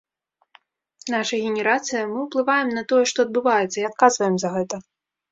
Нашая генерацыя, мы уплываем на тое, што адбываецца, і адказваем за гэта.